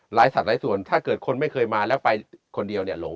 สัตว์หลายส่วนถ้าเกิดคนไม่เคยมาแล้วไปคนเดียวเนี่ยหลง